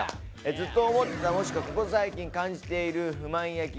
ずっと思ってたもしくはここ最近感じている不満や疑問